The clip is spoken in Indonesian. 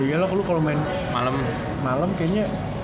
iya loh kalau lu main malem kayaknya